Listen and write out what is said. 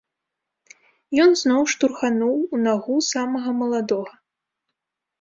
Ён зноў штурхануў у нагу самага маладога.